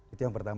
itu yang pertama